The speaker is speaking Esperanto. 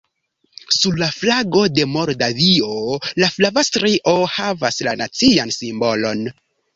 Sur la flago de Moldavio la flava strio havas la nacian simbolon.